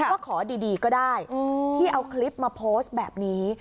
ว่าขอดีก็ได้ที่เอาคลิปมาโพสต์แบบนี้